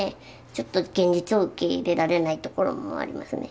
ちょっと現実を受け入れられないところもありますね